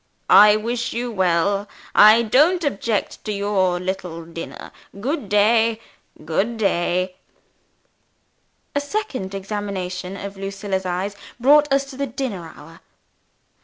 I wish you well. I don't object to your little dinner. Good day! good day!" A second examination of Lucilla's eyes brought us to the dinner hour.